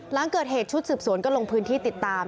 หลังเกิดเหตุชุดสืบสวนก็ลงพื้นที่ติดตาม